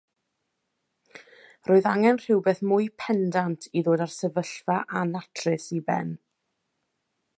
Roedd angen rhywbeth mwy pendant i ddod â'r sefyllfa annatrys i ben.